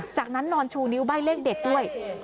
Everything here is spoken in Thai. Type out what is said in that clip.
จากนั้นนอนชูนิ้วใบ้เลขเด็ดด้วย